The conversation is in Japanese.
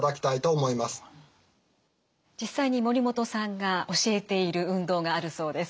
実際に森本さんが教えている運動があるそうです。